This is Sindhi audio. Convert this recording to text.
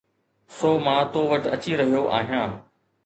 سو مان تو وٽ اچي رهيو آهيان